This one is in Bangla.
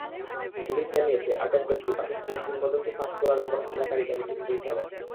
পুলিশ জানিয়েছে, আটক ব্যক্তি পাকিস্তানের কিংবদন্তি ফাস্ট বোলারের ওপর হামলাকারী গাড়িটির চালক।